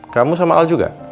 kamu sama al juga